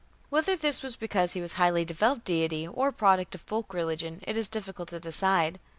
Whether this was because he was a highly developed deity or a product of folk religion it is difficult to decide.